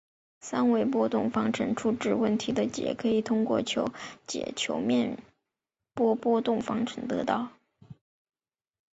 三维波动方程初值问题的解可以通过求解球面波波动方程得到。